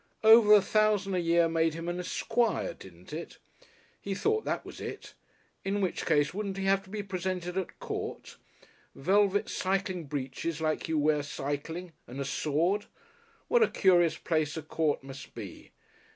Over a thousand a year made him an Esquire, didn't it? He thought that was it. In which case, wouldn't he have to be presented at Court? Velvet cycling breeches like you wear cycling, and a sword! What a curious place a court must be!